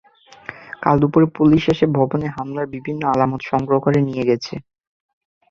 কাল দুপুরে পুলিশ এসে ভবনে হামলার বিভিন্ন আলামত সংগ্রহ করে নিয়ে গেছে।